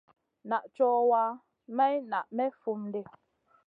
Naʼ cowa, maï naʼ may fum ɗi.